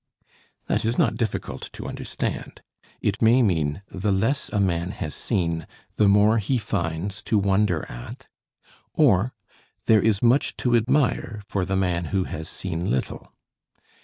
That is not difficult to understand. It may mean, "The less a man has seen, the more he finds to wonder at," or, "There is much to admire for the man who has seen little."